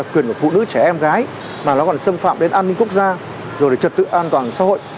quyền của phụ nữ trẻ em gái mà nó còn xâm phạm đến an ninh quốc gia rồi trật tự an toàn xã hội